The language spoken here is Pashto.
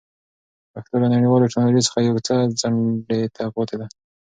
پښتو له نړیوالې ټکنالوژۍ څخه یو څه څنډې ته پاتې ده.